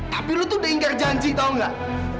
tapi kamu sudah inggar janji tahu tidak